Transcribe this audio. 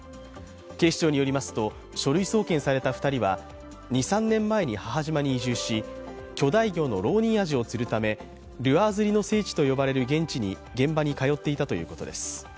警視庁によりますと、書類送検された２人は、２３年前に母島に移住し巨大魚のロウニンアジを釣るため、ルアー釣りの聖地と呼ばれる現場に通っていたということです。